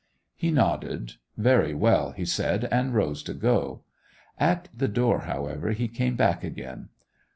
He nodded. 'Very well,' he said, and rose to go. At the door, however, he came back again.